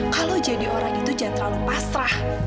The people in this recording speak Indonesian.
kalau jadi orang itu jangan terlalu pasrah